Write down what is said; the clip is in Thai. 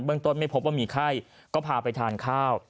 ต้นไม่พบว่ามีไข้ก็พาไปทานข้าว